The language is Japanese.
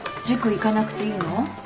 塾行かなくていいの？